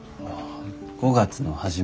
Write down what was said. ５月の初め。